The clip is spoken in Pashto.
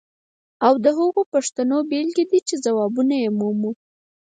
دا د هغو پوښتنو بیلګې دي چې ځوابونه یې مومو.